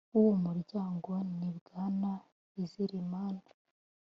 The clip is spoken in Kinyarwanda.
w uwo muryango ni bwana izerimana